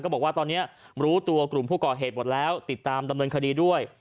บอกว่าตอนนี้รู้ตัวกลุ่มผู้ก่อเหตุหมดแล้วติดตามดำเนินคดีด้วย